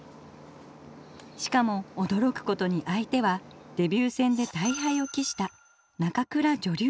しかもおどろくことに相手はデビュー戦で大敗をきした中倉女流二段です。